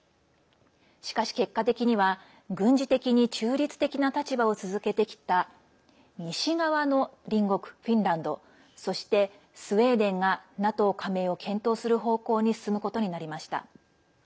しかし、結果的には軍事的に中立的な立場を続けてきた西側の隣国、フィンランドそして、スウェーデンがＮＡＴＯ加盟を検討する方向に進むことになりました。